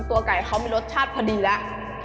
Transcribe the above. ตัวไก่เขามีรสชาติพอดีแล้ว